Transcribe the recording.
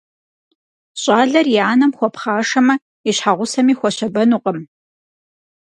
Щӏалэр и анэм хуэпхъашэмэ, и щхьэгъусэми хуэщабэнукъым.